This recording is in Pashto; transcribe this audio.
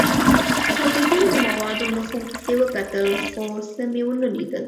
چاودېدونکو موادو نښو پسې وکتل، خو څه مې و نه لیدل.